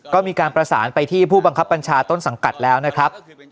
ก็มีการประสานไปที่ผู้บังคับบัญชาต้นสังกัดแล้วนะครับ